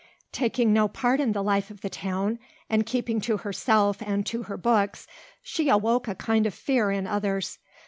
Taking no part in the life of the town and keeping to herself and to her books she awoke a kind of fear in others.